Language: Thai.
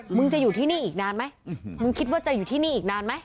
มึงจะอยู่ที่นี่อีกนานไหมมึงคิดว่าจะอยู่ที่นี่อีกนานไหม